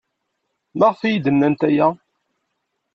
Maɣef ay iyi-d-nnant aya?